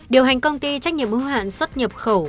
điều hành công ty trách nhiệm ưu hạn xuất nhập khẩu